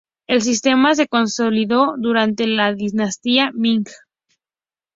El sistema se consolidó durante la dinastía Ming.